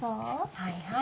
はいはい。